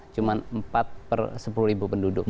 cuma empat per sepuluh ribu penduduk